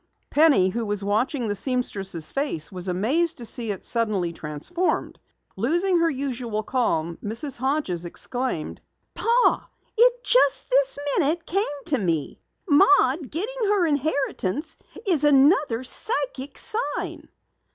Penny, who was watching the seamstress' face was amazed to see it suddenly transformed. Losing her usual calm, Mrs. Hodges exclaimed: "Pa! It just this minute came to me! Maud getting her inheritance is another psychic sign!"